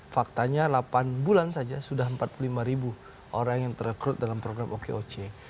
faktanya delapan bulan saja sudah empat puluh lima ribu orang yang terekrut dalam program okoc